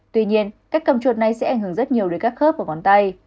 tuy nhiên cách cầm chuột này sẽ ảnh hưởng rất nhiều đến các khớp và ngón tay